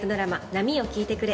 『波よ聞いてくれ』